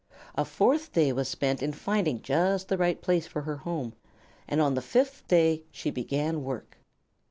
A fourth day was spent in finding just the right place for her home, and on the fifth day she began work.